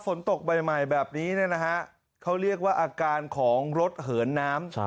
ฝนตกใหม่แบบนี้เนี่ยนะฮะเขาเรียกว่าอาการของรถเหินน้ำ